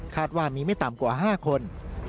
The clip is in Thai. ว่ามีไม่ต่ำกว่า๕คน